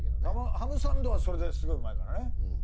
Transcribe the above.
ハムサンドはそれですごいうまいからね。